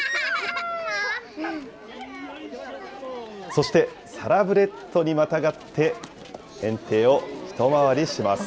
そして、サラブレットにまたがって、園庭を一回りします。